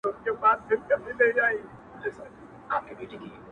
د هيندارو يوه لاره کي يې پرېښوم،